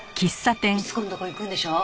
逸子のとこ行くんでしょ？